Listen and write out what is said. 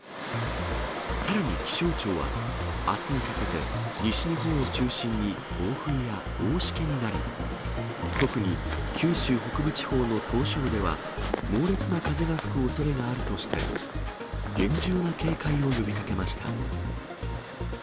さらに、気象庁はあすにかけて、西日本を中心に暴風や大しけになり、特に九州北部地方の島しょ部では、猛烈な風が吹くおそれがあるとして、厳重な警戒を呼びかけました。